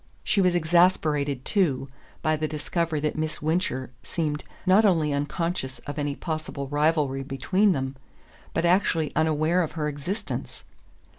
She was exasperated too, by the discovery that Miss Wincher seemed not only unconscious of any possible rivalry between them, but actually unaware of her existence.